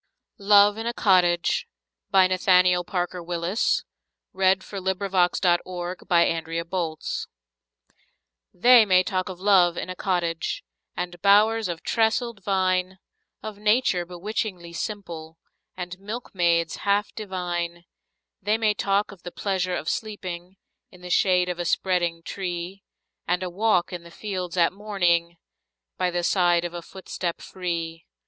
t Him Have praises for the well completed year. Nathaniel Parker Willis Love in a Cottage THEY may talk of love in a cottage And bowers of trellised vine Of nature bewitchingly simple, And milkmaids half divine; They may talk of the pleasure of sleeping In the shade of a spreading tree, And a walk in the fields at morning, By the side of a footstep free!